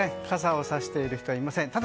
傘をさしている人はいません。